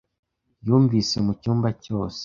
Yumvise mu cyumba cyose.